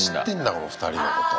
この２人のことを。